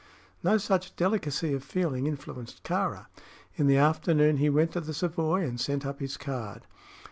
No such delicacy of feeling influenced Kāra. In the afternoon he went to the Savoy and sent up his card.